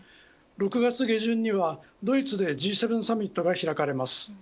６月下旬にはドイツでＧ７サミットが開かれます。